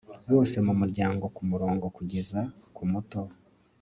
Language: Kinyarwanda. Bose mumuryango kumurongo kugeza kumuto